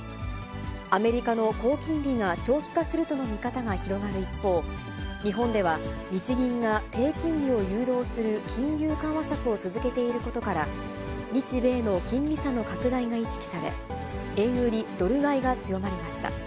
アメリカの高金利が長期化するとの見方が広がる一方、日本では日銀が低金利を誘導する金融緩和策を続けていることから、日米の金利差の拡大が意識され、円売りドル買いが強まりました。